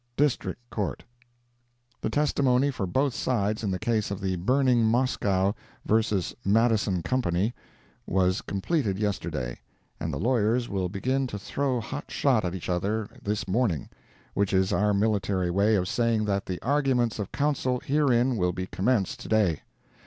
DISTRICT COURT.—The testimony for both sides in the case of the Burning Moscow vs. Madison Company was completed yesterday, and the lawyers will begin to throw hot shot at each other this morning—which is our military way of saying that the arguments of counsel herein will be commenced to day.